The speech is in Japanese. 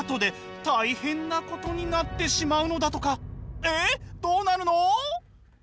ええどうなるの？